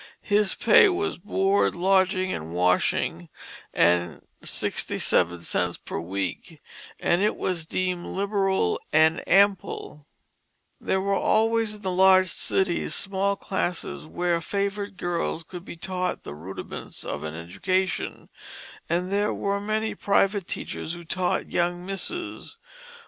His pay was his board, lodging, and washing, and sixty seven cents per week, and it was deemed liberal and ample. [Illustration: Elizabeth Storer, Twelve Years Old, 1738] There were always in the large cities small classes where favored girls could be taught the rudiments of an education, and there were many private teachers who taught young misses.